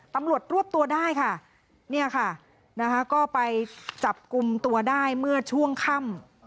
ตำรวจรวบตัวได้ค่ะเนี่ยค่ะนะคะก็ไปจับกลุ่มตัวได้เมื่อช่วงค่ำ